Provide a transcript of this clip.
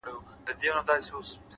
زغم د حکمت نښه ده’